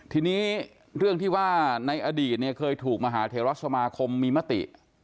ทีนี้เรื่องที่ว่าในอดีตเนี่ยเคยถูกมหาเทราสมาคมมีมติ